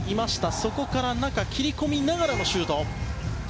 そこから中に切り込みながらのシュート。